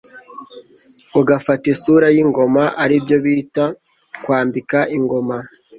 ugafata isura y'ingoma, aribyo bita kwambika ingoma